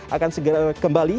akan segera kembali